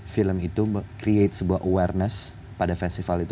film itu membuat kesadaran pada festival itu